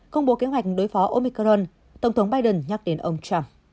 công bố kế hoạch đối phó omicron tổng thống biden nhắc đến ông trump